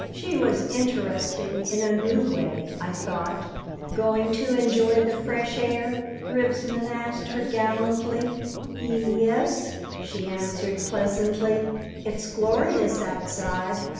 She was interesting in a new way, I thought "Going to enjoy the fresh air?" Rivesman asked her, gallantly "Ye es," she answered, pleasantly. "It's glorious outside."